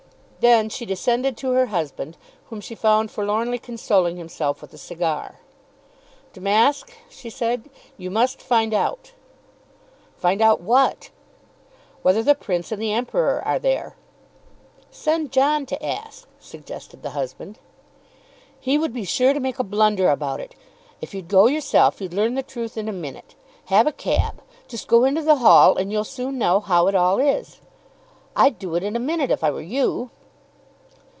Then she descended to her husband, whom she found forlornly consoling himself with a cigar. "Damask," she said, "you must find out." "Find out what?" "Whether the Prince and the Emperor are there." "Send John to ask," suggested the husband. "He would be sure to make a blunder about it. If you'd go yourself you'd learn the truth in a minute. Have a cab, just go into the hall and you'll soon know how it all is; I'd do it in a minute if I were you."